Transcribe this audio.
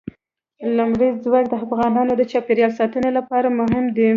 لمریز ځواک د افغانستان د چاپیریال ساتنې لپاره مهم دي.